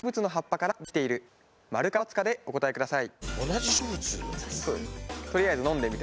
○か×かでお答えください。